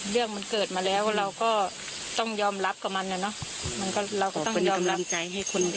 เรื่องมันเกิดมาแล้วเราก็ต้องยอมรับกับมันนะเนอะ